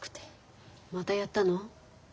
またやったの？